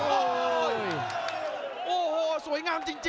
ตีอัดเข้าไปสองที